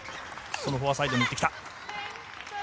そのフォアサイドにもってきた。